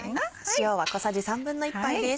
塩は小さじ１／３杯です。